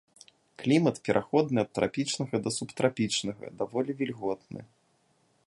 Клімат пераходны ад трапічнага да субтрапічнага, даволі вільготны.